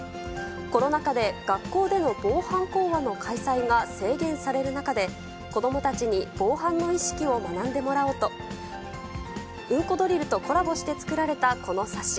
コロナ禍で学校での防犯講話の開催が制限される中で、子どもたちに防犯の意識を学んでもらおうと、うんこドリルとコラボして作られたこの冊子。